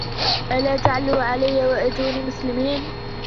ألا تعلوا علي وأتوني مسلمين